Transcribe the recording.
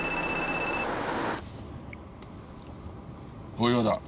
大岩だ。